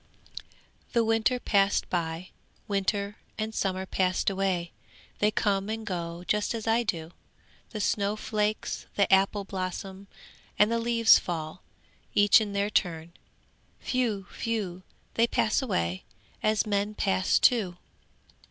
'The winter passed by; winter and summer passed away! They come and go just as I do. The snow flakes, the apple blossom, and the leaves fall, each in their turn. Whew! whew! they pass away, as men pass too!